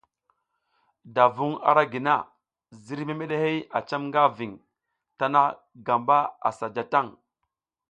Da vung ara gi na, ziriy memeɗehey a cam nga ving tana gamba sa ja tang.